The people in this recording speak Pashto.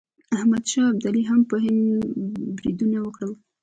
احمد شاه ابدالي هم په هند بریدونه وکړل.